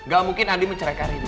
gak mungkin andi menceraikan ini